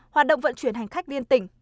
hoạt động vận chuyển hành khách liên tỉnh